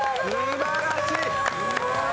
すばらしい！